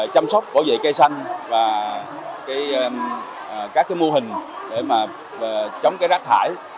chăm sóc bảo vệ cây xanh và các cái mô hình để mà chống cái rác thải